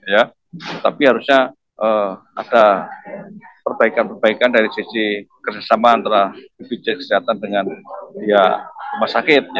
ya tapi harusnya ada perbaikan perbaikan dari sisi kerjasama antara bpjs kesehatan dengan pihak rumah sakit